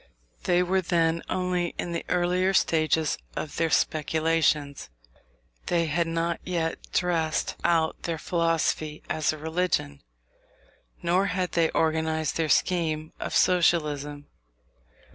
They were then only in the earlier stages of their speculations. They had not yet dressed out their philosophy as a religion, nor had they organized their scheme of Socialism.